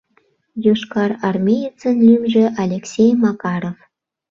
Йошкарармеецын лӱмжӧ Алексей Макаров.